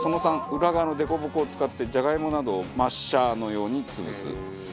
裏側のデコボコを使ってジャガイモなどをマッシャーのように潰す。